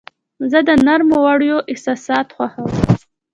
زه د نرمو وړیو احساس خوښوم.